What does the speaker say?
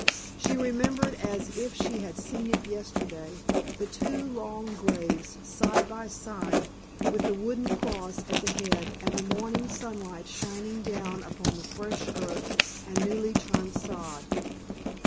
She remembered as if she had seen it yesterday the two long graves, side by side, with the wooden cross at the head and the morning sunlight shining down upon the fresh earth and newly turned sod.